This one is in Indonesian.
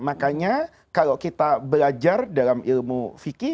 makanya kalau kita belajar dalam ilmu fikih